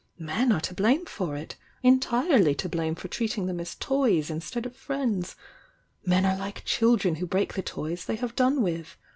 Men are to blame for it,— en THE YOUNG DIANA 17» tirely to blame for treating them as toys instead of as fnends— men are like children who break the toys thev have done with.